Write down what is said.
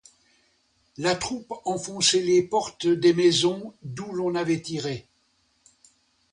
La troupe enfonçait les portes des maisons d'où l'on avait tiré.